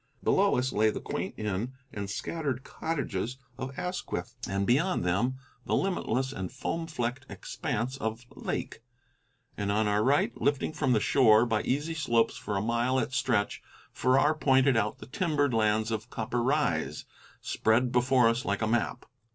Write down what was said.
Below us lay the quaint inn and scattered cottages of Asquith, and beyond them the limitless and foam flecked expanse of lake: and on our right, lifting from the shore by easy slopes for a mile at stretch, Farrar pointed out the timbered lands of Copper Rise, spread before us like a map.